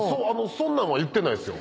そんなんは言ってないですよ。